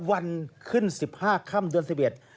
วันขึ้น๑๕ค่ำเดือน๑๑